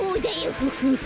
フフフ。